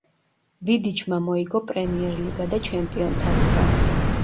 ვიდიჩმა მოიგო პრემიერ ლიგა და ჩემპიონთა ლიგა.